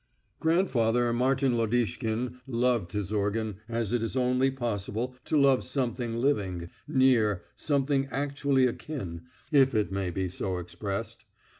Grandfather Martin Lodishkin loved his organ as it is only possible to love something living, near, something actually akin, if it may be so expressed.